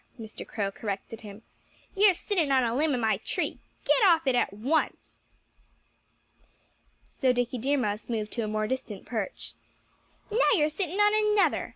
Mr. Crow corrected him. "You're sitting on a limb of my tree.... Get off it at once!" So Dickie Deer Mouse moved to a more distant perch. "Now you're sitting on another!"